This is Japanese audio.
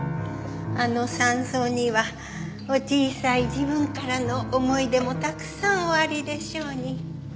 あの山荘にはお小さい時分からの思い出もたくさんおありでしょうに。